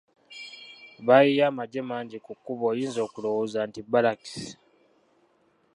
Bayiye amagye mangi ku kkubo oyinza okulowooza nti bbaalakisi.